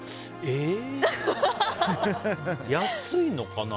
安いのかな。